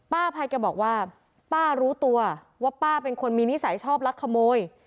ภัยแกบอกว่าป้ารู้ตัวว่าป้าเป็นคนมีนิสัยชอบลักขโมย